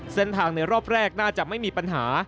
เส้นทางในรอบแรกน่าจะไม่มีปัญหา